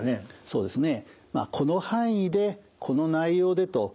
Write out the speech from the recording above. そうですね。